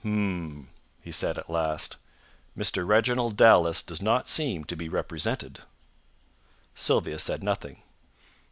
"H'm!" he said, at last. "Mr. Reginald Dallas does not seem to be represented." Sylvia said nothing.